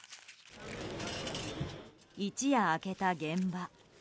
一夜明けた現場。